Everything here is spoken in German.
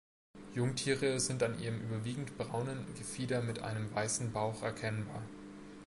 Jungtiere sind an ihrem überwiegend braunen Gefieder mit einem weißen Bauch erkennbar.